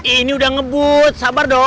ini udah ngebut sabar dong